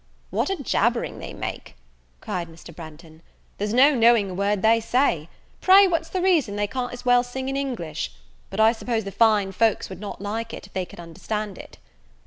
"What a jabbering they make!" cried Mr. Branghton, "there's no knowing a word they say. Pray, what's the reason they can't as well sing in English? but I suppose the fine folks would not like it, if they could understand it."